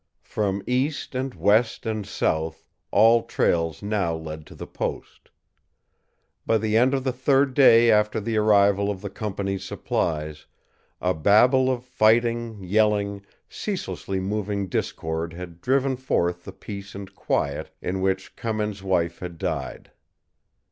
From east and west and south all trails now led to the post. By the end of the third day after the arrival of the company's supplies, a babel of fighting, yelling, ceaselessly moving discord had driven forth the peace and quiet in which Cummins' wife had died.